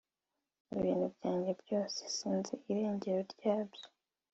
Ibintu byanjye byose sinzi irengero ryabyo